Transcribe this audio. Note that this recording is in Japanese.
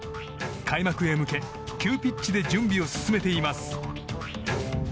開幕へ向け急ピッチで準備を進めています。